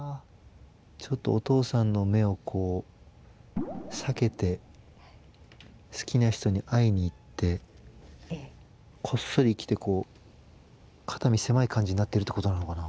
ちょっとお父さんの目をこう避けて好きな人に会いに行ってこっそり来てこう肩身狭い感じになってるってことなのかな？